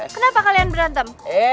kenapa kalian berantem